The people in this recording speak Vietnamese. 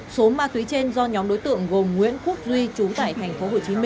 số ma túy trên do nhóm đối tượng gồm nguyễn quốc duy chú tải tp hcm